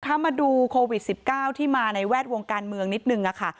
มาดูโควิด๑๙ที่มาในแวดวงการเมืองนิดนึงค่ะ